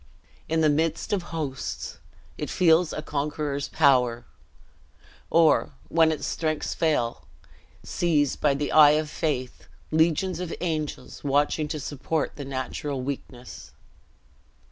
In the midst of hosts, it feels a conqueror's power; or, when its strength fails, sees, by the eye of faith, legions of angels watching to support the natural weakness.